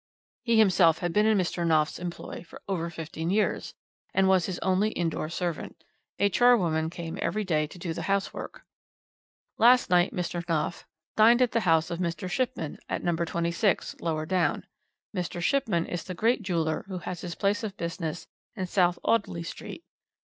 He himself had been in Mr. Knopf's employ over fifteen years, and was his only indoor servant. A charwoman came every day to do the housework. "Last night Mr. Knopf dined at the house of Mr. Shipman, at No. 26, lower down. Mr. Shipman is the great jeweller who has his place of business in South Audley Street.